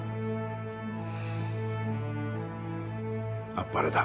あっぱれだ。